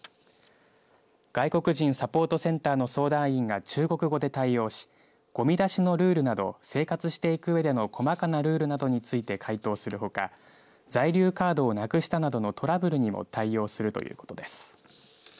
外国人サポートセンターの相談員が中国語で対応しごみ出しのルールなど生活してゆくうえでの細かなルールなどについて回答するほか在留カードをなくしたなどのトラブルにも対応するということです。